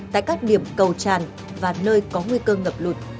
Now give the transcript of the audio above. tại các điểm cầu tràn và nơi có nguy cơ ngập lụt